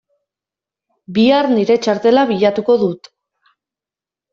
Bihar nire txartela bilatuko dut.